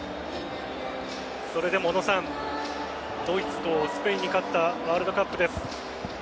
それでもドイツとスペインに勝ったワールドカップです。